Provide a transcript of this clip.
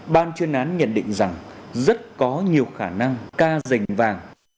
ban chuyên án nhận định rằng rất có nhiều khả năng ca dành vàng